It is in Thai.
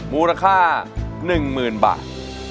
มูลค่าหนึ่งหมื่นบาท